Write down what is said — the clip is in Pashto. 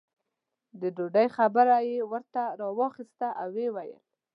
د ډوډۍ خبره یې ورته راواخسته او یې وویل.